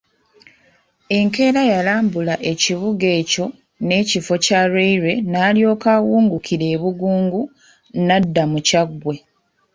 Enkeera yalambula ekibuga ekyo n'ekifo kya railway n'alyoka awungukira e Bugungu n'adda mu Kyaggwe.